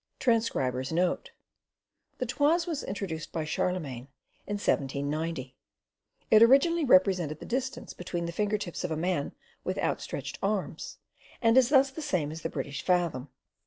(Transcriber's Note: The 'toise' was introduced by Charlemagne in 790; it originally represented the distance between the fingertips of a man with outstretched arms, and is thus the same as the British 'fathom'.